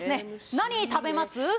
何食べます？